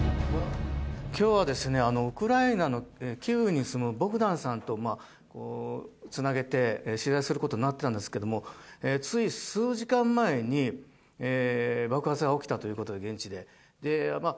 今日は、ウクライナのキーウに住むボグダンさんとつなげて取材することになっていたんですけどもつい数時間前に爆発が起きたということで現地で。